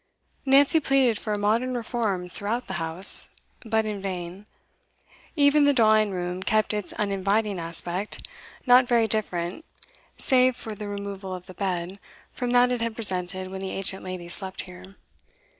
Nancy pleaded for modern reforms throughout the house, but in vain; even the drawing room kept its uninviting aspect, not very different, save for the removal of the bed, from that it had presented when the ancient lady slept here.